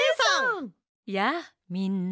やあみんな。